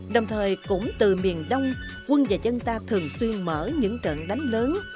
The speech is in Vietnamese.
đồng thời cũng từ miền đông quân và dân ta thường xuyên mở những trận đánh lớn